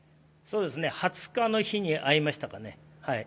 ２０日の日に会いましたかね。